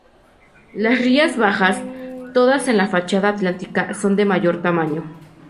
Las Rías Bajas, todas en la fachada atlántica, son de mayor tamaño.